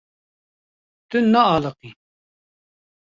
Tu naaliqî.